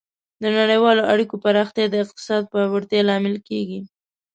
د نړیوالو اړیکو پراختیا د اقتصاد پیاوړتیا لامل کیږي.